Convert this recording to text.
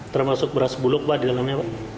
termasuk beras bulog pak di dalamnya pak